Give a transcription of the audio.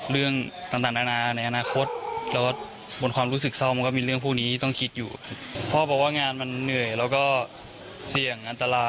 เรื่องต่างในอนาคต